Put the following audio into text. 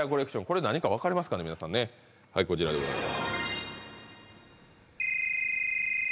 これ何か分かりますかねみなさんはいこちらでございます